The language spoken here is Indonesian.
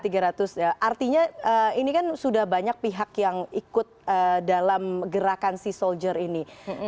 artinya ini kan sudah banyak pihak yang ikut dalam gerakan sea soldier ini